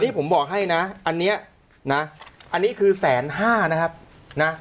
นี่ผมบอกให้นะอันนี้นะอันนี้คือแสนห้านะครับนะ